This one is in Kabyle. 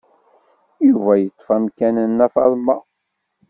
Yuba yeṭṭef amkan n Nna Faḍma.